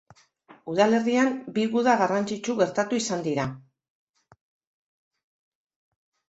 Udalerrian bi guda garrantzitsu gertatu izan dira.